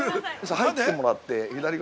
◆入ってもらって左側。